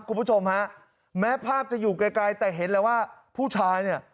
คุณผู้ชมฮะแม้ภาพจะอยู่ไกลแต่เห็นแล้วว่าผู้ชายเนี่ย